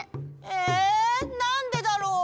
えなんでだろう？